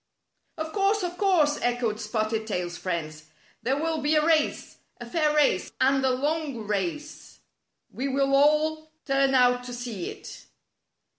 "Of course! Of course!" echoed Spotted Tail's friends. "There will be a race — a fair race — and a long race. We will all turn out to see it."